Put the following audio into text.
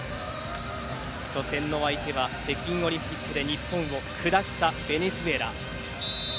初戦の相手は北京オリンピックで日本を下したベネズエラ。